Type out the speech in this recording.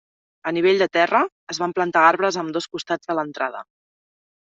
A nivell de terra, es van plantar arbres a ambdós costats de l'entrada.